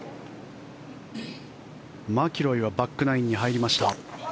マキロイはバックナインに入りました。